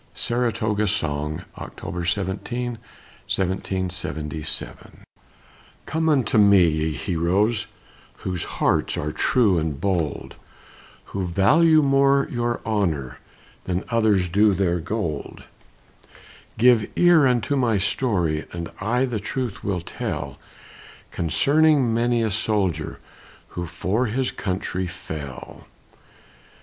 SARATOGA SONG [October 17, 1777] Come unto me, ye heroes Whose hearts are true and bold, Who value more your honor Than others do their gold; Give ear unto my story, And I the truth will tell, Concerning many a soldier Who for his country fell.